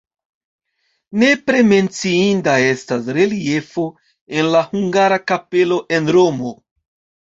Nepre menciinda estas reliefo en la hungara kapelo en Romo.